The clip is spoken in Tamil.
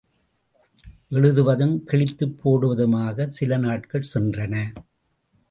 எழுதுவதும், கிழித்துப் போடுவதுமாகச் சிலநாட்கள் சென்றன.